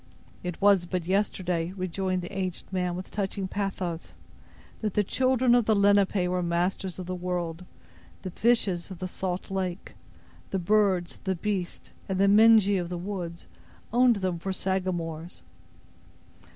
"It was but yesterday," rejoined the aged man, with touching pathos, "that the children of the Lenape were masters of the world. The fishes of the salt lake, the birds, the beasts, and the Mengee of the woods, owned them for Sagamores."